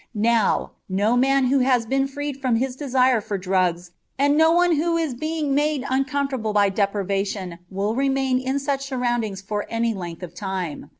Now, no man who has been freed from his desire for drugs and no one who is being made uncomfortable by deprivation will remain in such surroundings for any length of time.